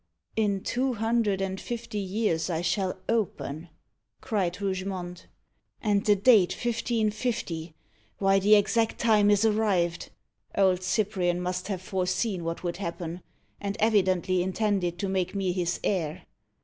"In two hundred and fifty years I shall open!" cried Rougemont, "and the date 1550 why, the exact time is arrived. Old Cyprian must have foreseen what would happen, and evidently intended to make me his heir.